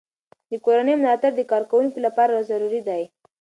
د کورنۍ ملاتړ د کارکوونکو لپاره ضروري دی.